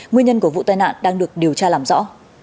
nguyên nhân của vụ tai nạn đang được điều tra làm rõ